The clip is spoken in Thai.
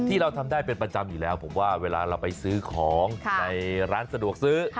เราทำได้เป็นประจำอยู่แล้วผมว่าเวลาเราไปซื้อของในร้านสะดวกซื้อ